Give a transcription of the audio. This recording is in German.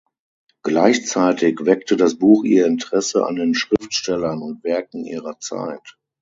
Gleichzeitig weckte das Buch ihr Interesse an den Schriftstellern und Werken ihrer Zeit.